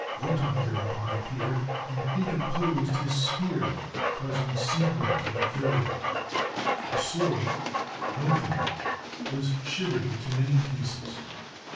Wotan thereupon appeared and interposed his spear, causing Siegmund to be killed. The sword, "Nothung," was shivered into many pieces.